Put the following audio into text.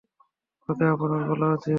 ওকে আপনার বলা উচিত।